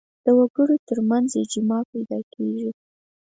د وګړو تر منځ اجماع پیدا کېږي